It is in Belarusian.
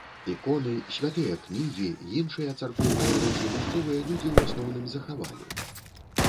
Іконы, святыя кнігі, іншыя царкоўныя рэчы мясцовыя людзі ў асноўным захавалі.